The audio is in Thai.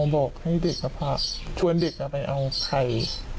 บอกให้เด็กก็พาชวนเด็กกลับไปเอาไข่